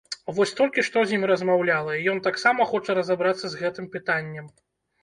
Вось толькі што з ім размаўляла, і ён таксама хоча разабрацца з гэтым пытаннем!